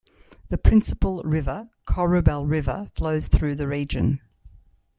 The principal river, Corubal River, flows through the region.